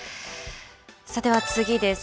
では次です。